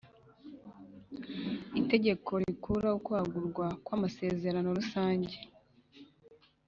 Itegeko rikuraho ukwagurwa kw’amasezerano rusange